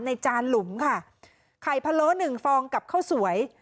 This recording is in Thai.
จานหลุมค่ะไข่พะโล้หนึ่งฟองกับข้าวสวย